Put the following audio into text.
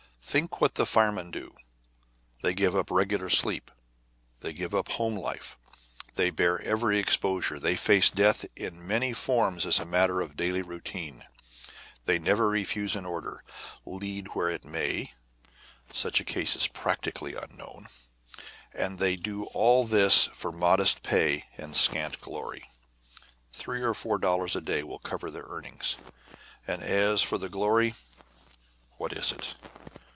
Think what the firemen do! They give up regular sleep, they give up home life, they bear every exposure, they face death in many forms as a matter of daily routine, they never refuse an order, lead where it may (such a case is practically unknown), and they do all this for modest pay and scant glory. Three or four dollars a day will cover their earnings, and as for the glory, what is it?